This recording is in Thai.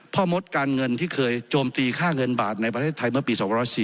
มดการเงินที่เคยโจมตีค่าเงินบาทในประเทศไทยเมื่อปี๒๐๔